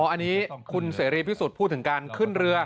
อันนี้คุณเสรีพิสุทธิ์พูดถึงการขึ้นเรือ